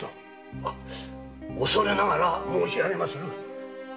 恐れながら申し上げます。